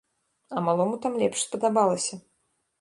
А малому там лепш спадабалася.